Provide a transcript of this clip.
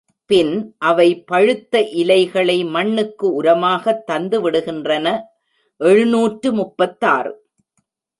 பின் அவை பழுத்த இலை களை மண்ணுக்கு உரமாகத் தந்துவிடுகின்றன எழுநூற்று முப்பத்தாறு.